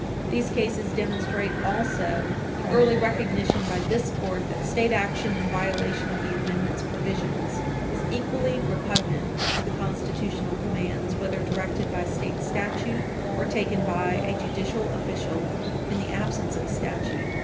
These cases demonstrate, also, the early recognition by this Court that state action in violation of the Amendment's provisions is equally repugnant to the constitutional commands whether directed by state statute or taken by a judicial official in the absence of statute.